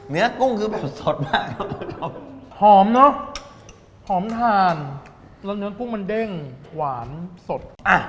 กุ้งคือแบบสดมากหอมเนอะหอมทานแล้วเนื้อกุ้งมันเด้งหวานสดอ่ะ